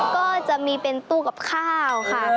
ก็จะมีเป็นตู้กับข้าวค่ะ